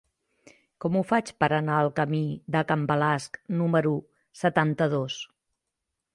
Com ho faig per anar al camí de Can Balasc número setanta-dos?